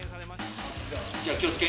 じゃあ気をつけ。